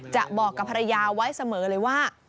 จะบอกกับภรรยาไว้เสมอเลยว่า